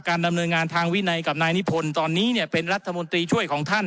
ดำเนินงานทางวินัยกับนายนิพนธ์ตอนนี้เนี่ยเป็นรัฐมนตรีช่วยของท่าน